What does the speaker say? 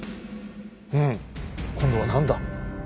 うん今度は何だ。